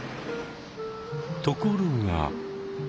ところが。